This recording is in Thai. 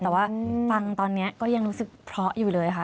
แต่ว่าฟังตอนนี้ก็ยังรู้สึกเพราะอยู่เลยค่ะ